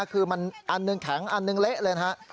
คือมันอันหนึ่งแข็งอันหนึ่งเละเลยนะฮะ